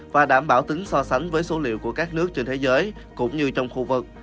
và đảm bảo tính so sánh với số liệu của các nước trên thế giới cũng như trong khu vực